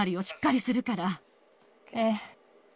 ええ。